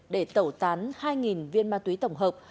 để tẩu tán hai viên ma túy tổng hợp